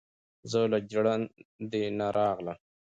ـ زه له ژړندې نه راغلم،